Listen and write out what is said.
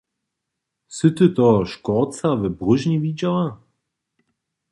Sy ty toho škórca we bróžni widźała?